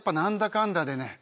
かんだでね